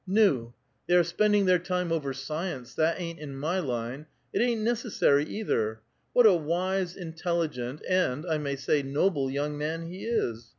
'' Nu! they are spending their time over science ; that ain't in my line, it ain't necessary either. What a wise, intelligent, and I may say noble, young man he is